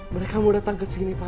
mereka mau datang kesini pak